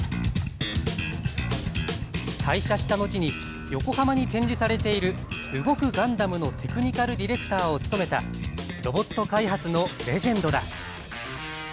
退社した後に横浜に展示されている動くガンダムのテクニカルディレクターを務めたロボット開発のレジェンドだ。